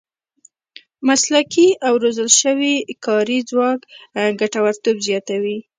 مسلکي او روزل شوی کاري ځواک ګټورتوب زیاتوي.